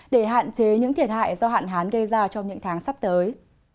để hạn chế những thiệt hại do hạn hán gây ra trong những tháng sắp tới